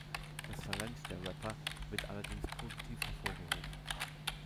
Das Talent der Rapper wird allerdings positiv hervorgehoben.